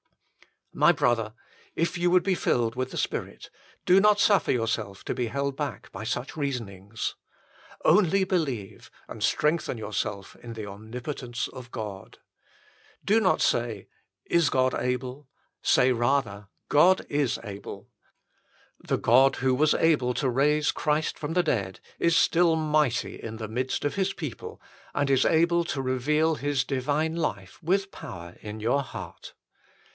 1 My brother, if you would be filled with the Spirit, do not suffer yourself to be held back by such reasonings. " Only believe " and strengthen yourself in the omnipotence of God. Do not say : is God able ? Say rather : God is ABLE. The God who was able to raise Christ from the dead is still mighty in the midst of His people, and is able to reveal His divine life with power in your heart.